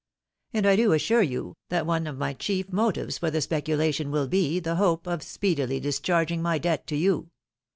And I do assure you, that one of my chief motives for the speculation will be, the hope of speedily discharging my debt to you.